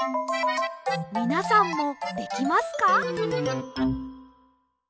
みなさんもできますか？